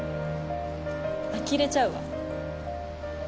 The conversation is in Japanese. あきれちゃうわ。